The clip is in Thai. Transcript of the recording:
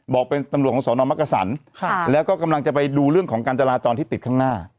บอกเป็นตำรวจของสอนอมักกษันแล้วก็กำลังจะไปดูเรื่องของการจราจรที่ติดข้างหน้า